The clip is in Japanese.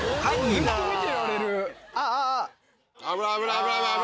危ない危ない。